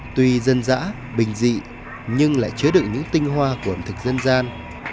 tuy dân dã bình dị nhưng lại chứa đựng những tinh hoa của ẩm thực dân gian